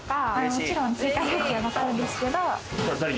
もちろん追加料金はかかるんですけれども。